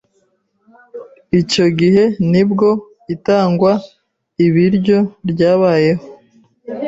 icyo gihe nibwo itangwa ibiryo ryabayeho